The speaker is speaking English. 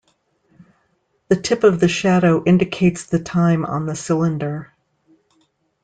The tip of the shadow indicates the time on the cylinder.